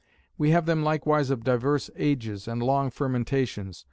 We have them likewise of divers ages, and long fermentations.